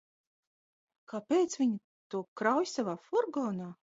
Kāpēc viņa to krauj savā furgonā?